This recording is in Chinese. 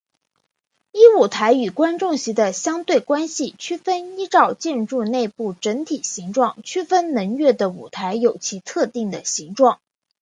依舞台与观众席的相对关系区分依照建筑内部整体形状区分能乐的舞台有其特定的形状。